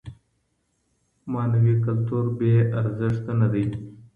معنوي کلتور بې ارزښته نه دی.